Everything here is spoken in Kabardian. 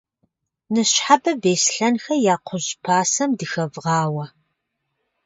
Ныщхьэбэ Беслъэнхэ я кхъужь пасэм дыхэвгъауэ.